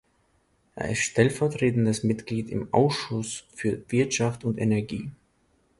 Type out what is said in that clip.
Er ist stellvertretendes Mitglied im Ausschuss für Wirtschaft und Energie.